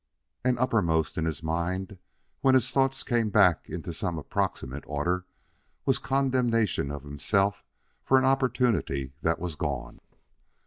And uppermost in his mind, when his thoughts came back into some approximate order, was condemnation of himself for an opportunity that was gone.